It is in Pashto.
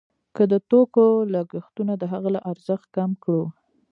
که د توکو لګښتونه د هغه له ارزښت کم کړو